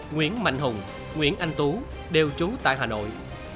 nguyễn mạnh hùng nguyễn anh tú đều trú tại hà nội